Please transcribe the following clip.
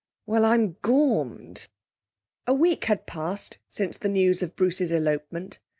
Well, I'm gormed!' A week had passed since the news of Bruce's elopement.